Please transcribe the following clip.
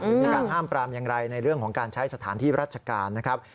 มีการห้ามปรามอย่างไรในเรื่องของการใช้สถานที่ราชการนะครับ